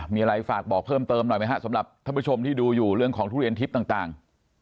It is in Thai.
มีอะไรฝากบอกเพิ่มเติมหน่อยไหมฮะสำหรับท่านผู้ชมที่ดูอยู่เรื่องของทุเรียนทิพย์ต่าง